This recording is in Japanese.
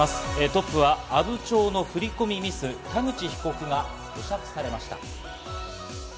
トップは阿武町の振り込みミス、田口被告が保釈されました。